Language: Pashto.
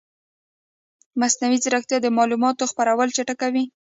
مصنوعي ځیرکتیا د معلوماتو خپرول چټکوي.